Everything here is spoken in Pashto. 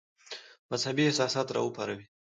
مذهبي احساسات را وپاروي.